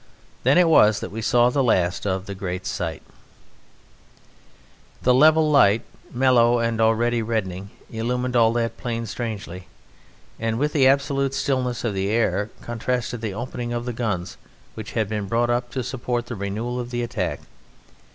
Then it was that we saw the last of the Great Sight. The level light, mellow and already reddening, illumined all that plain strangely, and with the absolute stillness of the air contrasted the opening of the guns which had been brought up to support the renewal of the attack.